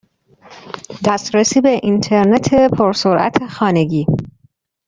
دسترسی به اینترنت پر سرعت خانگی